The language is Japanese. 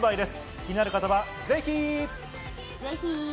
気になる方はぜひ。